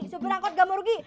supir angkot gak mau rugi